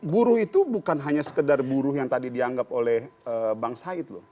buruh itu bukan hanya sekedar buruh yang tadi dianggap oleh bang said loh